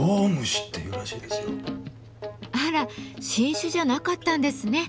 あら新種じゃなかったんですね。